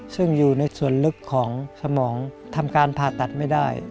ซึ่งอยู่ในส่วนลึกของสมองทำการผ่าตัดไม่ได้